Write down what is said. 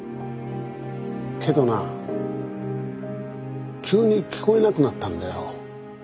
けどな急に聞こえなくなったんだよ。